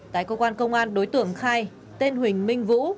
tại cơ quan công an đối tượng khai tên huỳnh minh vũ